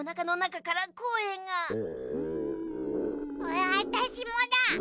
わたしもだ。